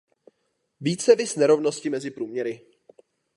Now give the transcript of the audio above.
Více viz nerovnosti mezi průměry.